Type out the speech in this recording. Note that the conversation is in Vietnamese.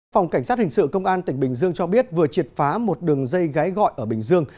phòng cảnh sát hình sự công an tỉnh bình dương cho biết vừa triệt phá một đường dây gái gọi ở bình dương